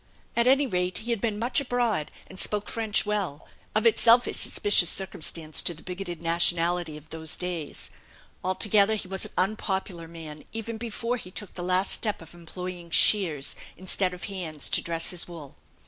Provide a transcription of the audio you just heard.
At any rate he had been much abroad, and spoke French well, of itself a suspicious circumstance to the bigoted nationality of those days. Altogether he was an unpopular man, even before he took the last step of employing shears, instead of hands, to dress his wool.